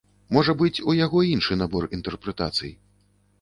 Можа быць, у яго іншы набор інтэрпрэтацый.